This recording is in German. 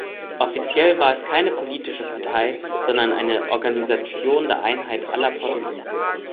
Offiziell war es keine politische Partei, sondern eine „Organisation der Einheit aller Portugiesen“.